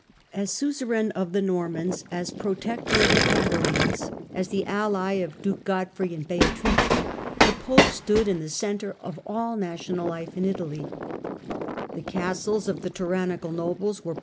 As suzerain of the Normans, as protector of tlie Patarines, as the ally of duke Godfrey and Beatrice, the pope stood in the centre of all national life in Italy, strength of The castles of the tyrannical nobles were podSto?